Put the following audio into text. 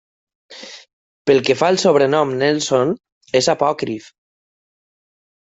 Pel que fa al sobrenom Nelson, és apòcrif.